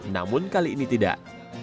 namun kali ini tidak